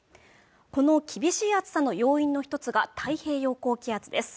この厳しい暑さの要因の一つが太平洋高気圧です